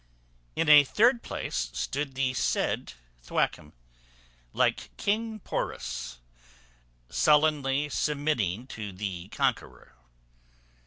In a third place stood the said Thwackum, like King Porus, sullenly submitting to the conqueror.